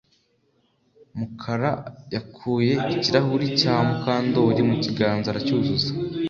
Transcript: Mukara yakuye ikirahuri cya Mukandoli mu kiganza aracyuzuza